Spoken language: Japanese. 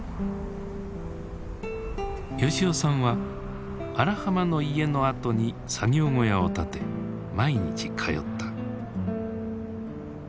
吉男さんは荒浜の家の跡に作業小屋を建て毎日通った。